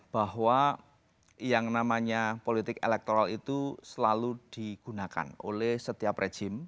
bahwa yang namanya politik elektoral itu selalu digunakan oleh setiap rejim